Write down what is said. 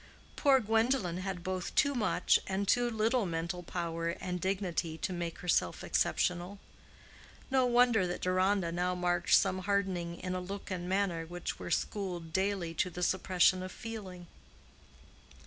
Poor Gwendolen had both too much and too little mental power and dignity to make herself exceptional. No wonder that Deronda now marked some hardening in a look and manner which were schooled daily to the suppression of feeling.